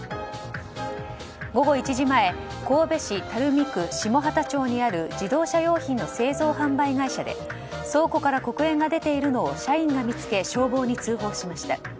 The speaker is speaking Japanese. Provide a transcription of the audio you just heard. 午後１時前神戸市垂水区下畑町にある自動車用品の製造・販売会社で倉庫から黒煙が出ているのを社員が見つけ消防に通報しました。